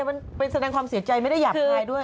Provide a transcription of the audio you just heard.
มันเป็นแสดงความเสียใจไม่ได้หยัดใครด้วย